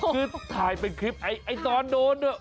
คือถ่ายเป็นคลิปไอ้ตอนโดนด้วย